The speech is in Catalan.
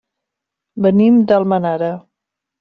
Venim d'Almenara.